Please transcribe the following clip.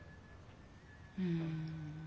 うん。